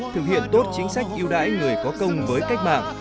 thực hiện tốt chính sách yêu đãi người có công với cách mạng